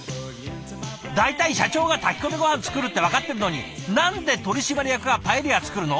大体社長が炊き込みごはん作るって分かってるのに何で取締役がパエリア作るの？